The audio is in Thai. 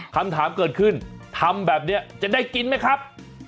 คำถามเกิดขึ้นทำแบบนี้จะได้กินไหมครับ